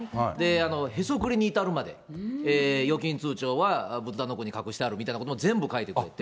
へそくりに至るまで、預金通帳は仏壇のどこに隠してあるみたいなことを全部書いてくれて。